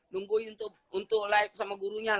nungguin untuk live sama gurunya